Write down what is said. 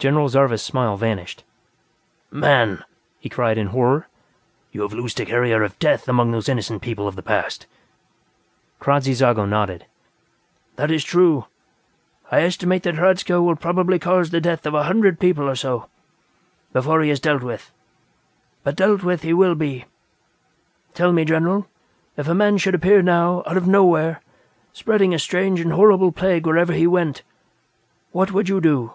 General Zarvas' smile vanished. "Man!" he cried in horror. "You have loosed a carrier of death among those innocent people of the past!" Kradzy Zago nodded. "That is true. I estimate that Hradzka will probably cause the death of a hundred or so people, before he is dealt with. But dealt with he will be. Tell me, General; if a man should appear now, out of nowhere, spreading a strange and horrible plague wherever he went, what would you do?"